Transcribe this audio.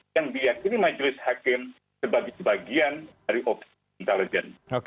yang diyakini majelis hakim sebagai sebagian dari operasi intelijen